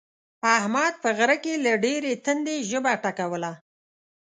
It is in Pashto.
احمد په غره کې له ډېرې تندې ژبه ټکوله.